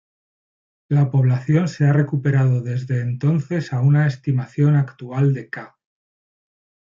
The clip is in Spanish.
La población se ha recuperado desde entonces a una estimación actual de ca.